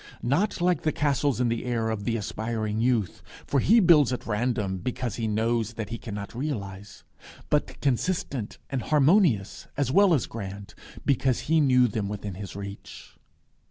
not like the castles in the air of the aspiring youth, for he builds at random, because he knows that he cannot realize; but consistent and harmonious as well as grand, because he knew them within his reach.